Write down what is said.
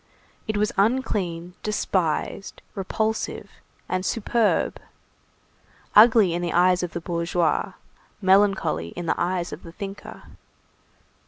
It was unclean, despised, repulsive, and superb, ugly in the eyes of the bourgeois, melancholy in the eyes of the thinker.